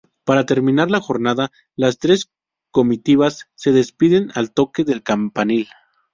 Para terminar la jornada, las tres comitivas se despiden al toque del campanil.